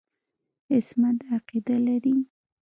عصمت عقیده لري.